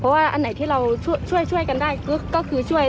เพราะว่าอันไหนที่เราช่วยกันได้ก็คือช่วย